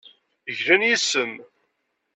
Glan yes-m.